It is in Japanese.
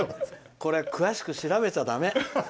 詳しく調べちゃだめ。